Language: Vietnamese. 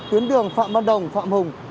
tuyến đường phạm văn đồng phạm hùng